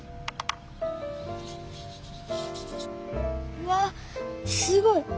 うわっすごい！